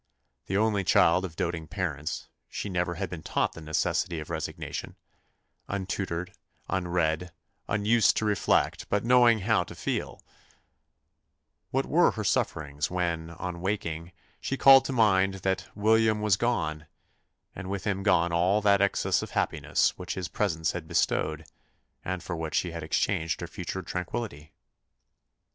The only child of doating parents, she never had been taught the necessity of resignation untutored, unread, unused to reflect, but knowing how to feel; what were her sufferings when, on waking, she called to mind that "William was gone," and with him gone all that excess of happiness which his presence had bestowed, and for which she had exchanged her future tranquillity?